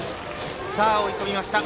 追い込みました。